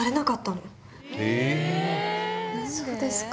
そうですか。